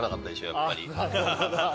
やっぱり。